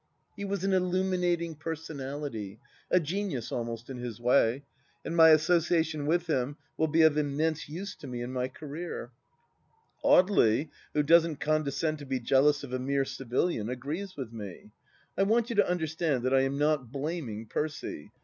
He was an illuminating per sonality, a genius almost in his way, and my association with him wDl be of immense use to me in my career. Audely, who doesn't condescend to be jealous of a mere civilian, agrees with me. I want you to understand that I am not blaming Percy.